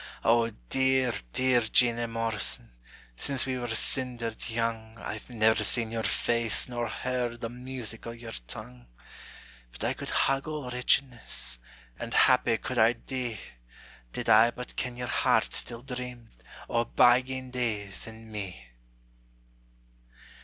O dear, dear Jeanie Morrison, Since we were sindered young I've never seen your face nor heard The music o' your tongue; But I could hug all wretchedness, And happy could I dee, Did I but ken your heart still dreamed O' bygane days and me!